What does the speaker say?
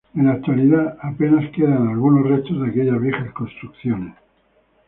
En la actualidad apenas quedan algunos restos de aquellas viejas construcciones.